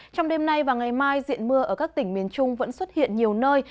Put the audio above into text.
trong đêm nay và ngày mai diện mưa ở các tỉnh miền trung vẫn xuất hiện nhiều nơi